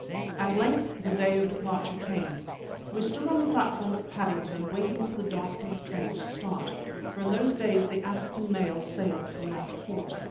At length the day of departure came. We stood on the platform at Paddington waiting for the Dartmouth train to start, for in those days the African mail sailed from that port.